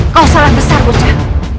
kau salah besar bocah